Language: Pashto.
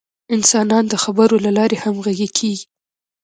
انسانان د خبرو له لارې همغږي کېږي.